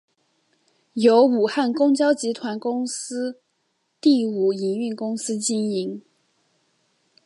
由武汉公交集团公司第五营运公司经营。